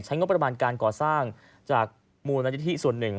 งบประมาณการก่อสร้างจากมูลนิธิส่วนหนึ่ง